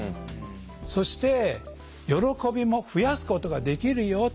そして喜びも増やすことができるよ。